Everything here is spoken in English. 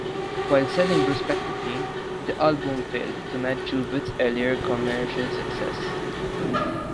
While selling respectably, the album failed to match Juvet's earlier commercial success.